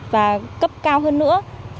và cấp cao hơn nữa